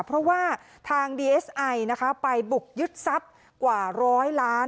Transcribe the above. เพราะว่าทางดีเอสไอนะคะไปบุกยึดทรัพย์กว่าร้อยล้าน